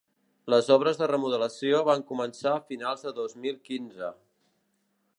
Les obres de remodelació van començar a finals de dos mil quinze.